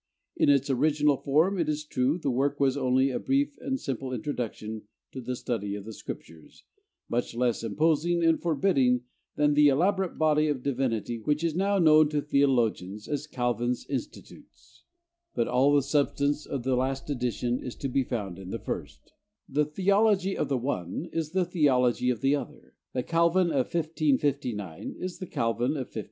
In its original form, it is true, the work was only a brief and simple introduction to the study of the Scriptures, much less imposing and forbidding than the elaborate body of divinity which is now known to theologians as 'Calvin's Institutes': but all the substance of the last edition is to be found in the first; the theology of the one is the theology of the other the Calvin of 1559 is the Calvin of 1536.